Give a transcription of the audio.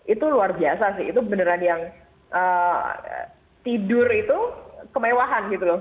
itu luar biasa sih itu beneran yang tidur itu kemewahan gitu loh